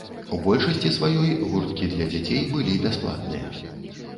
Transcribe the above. У большасці сваёй гурткі для дзяцей былі бясплатныя.